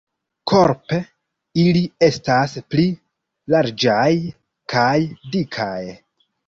Korpe ili estas pli larĝaj kaj dikaj.